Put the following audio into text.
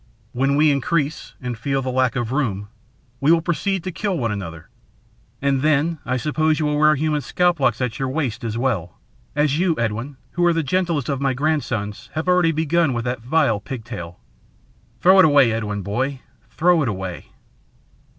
When we increase and feel the lack of room, we will proceed to kill one another. And then I suppose you will wear human scalp locks at your waist, as well as you, Edwin, who are the gentlest of my grandsons, have already begun with that vile pigtail. Throw it away, Edwin, boy; throw it away."